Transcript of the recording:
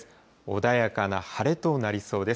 穏やかな晴れとなりそうです。